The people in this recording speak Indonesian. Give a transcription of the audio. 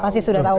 pasti sudah tahu